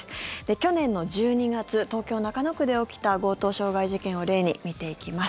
去年の１２月東京・中野区で起きた強盗傷害事件を例に見ていきます。